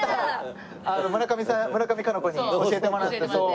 村上さん村上佳菜子に教えてもらってそう。